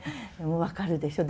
分かるでしょう？